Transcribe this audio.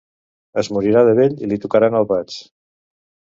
Es morirà de vell i li tocaran albats.